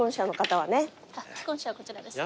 あっ既婚者はこちらですね。